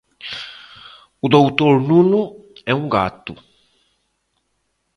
O Doutor Nuno é um gato